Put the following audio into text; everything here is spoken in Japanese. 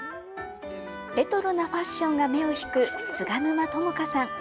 レトロなファッションが目を引く、菅沼朋香さん。